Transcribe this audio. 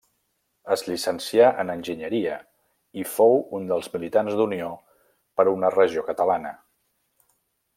Es llicencià en enginyeria i fou un dels militants d'Unió per una Regió Catalana.